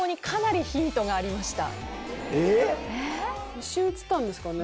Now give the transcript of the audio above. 一瞬映ったんですかね？